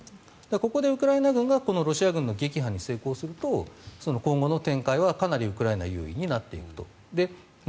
ここでウクライナ軍がロシア軍の撃破に成功すると今後の展開はかなりウクライナ優位になると。